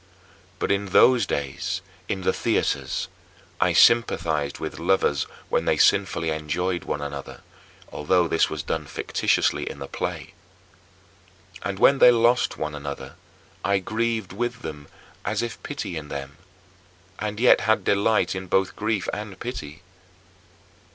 But in those days in the theaters I sympathized with lovers when they sinfully enjoyed one another, although this was done fictitiously in the play. And when they lost one another, I grieved with them, as if pitying them, and yet had delight in both grief and pity.